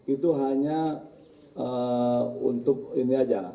itu hanya untuk ini aja